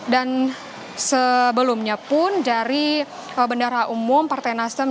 dan sebelumnya pun dari bendara umum partai nasdem